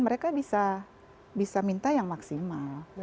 mereka bisa minta yang maksimal